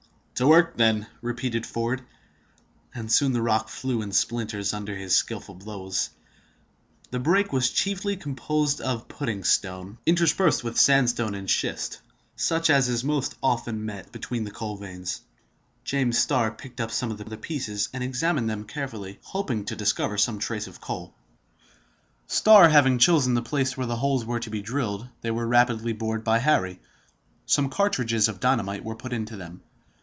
"To work, then!" repeated Ford; and soon the rock flew in splinters under his skillful blows. The break was chiefly composed of pudding stone, interspersed with sandstone and schist, such as is most often met with between the coal veins. James Starr picked up some of the pieces, and examined them carefully, hoping to discover some trace of coal. Starr having chosen the place where the holes were to be drilled, they were rapidly bored by Harry. Some cartridges of dynamite were put into them.